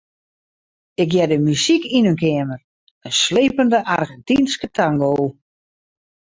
Ik hearde muzyk yn in keamer, in slepende Argentynske tango.